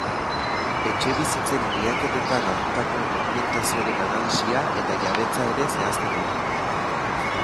Etxebizitzen miaketetan hartutako dokumentazioaren analisia eta jabetza ere zehazten ditu.